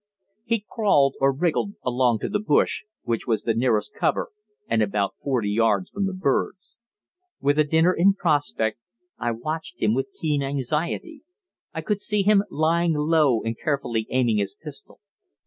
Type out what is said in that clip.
He crawled or wriggled along to the bush, which was the nearest cover and about forty yards from the birds. With a dinner in prospect, I watched him with keen anxiety. I could see him lying low and carefully aiming his pistol.